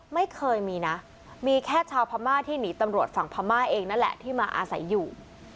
ไม่เคยมีนะมีแค่ชาวพม่าที่หนีตำรวจฝั่งพม่าเองนั่นแหละที่มาอาศัยอยู่